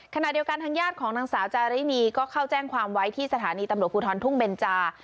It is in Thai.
ขณะเดียวกันทางญาติของนางสาวจารินีก็เข้าแจ้งความไว้ที่สถานีตำรวจภูทรทุ่งเบนจา